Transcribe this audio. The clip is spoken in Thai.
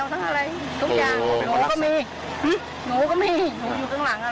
ก็บอกว่าเย็นก็มาพรุ่งนี้ลูกมาเอาเองก็แล้วกันแม่